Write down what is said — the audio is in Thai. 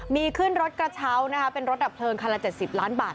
มีขึ้นรถกระเช้านะคะเป็นรถดับเพลิงคันละ๗๐ล้านบาท